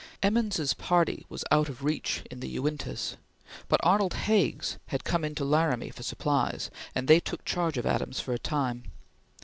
Emmons's party was out of reach in the Uintahs, but Arnold Hague's had come in to Laramie for supplies, and they took charge of Adams for a time.